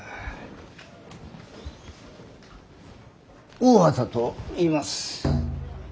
大畑といいます。